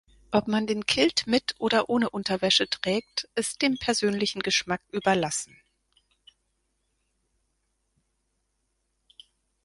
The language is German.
Ob man den Kilt mit oder ohne Unterwäsche trägt, ist dem persönlichen Geschmack überlassen.